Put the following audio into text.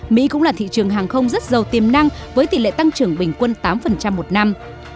mỹ cũng là thị trường hàng không rất giàu tiềm năng với tỷ lệ tăng trưởng bình quân tám một năm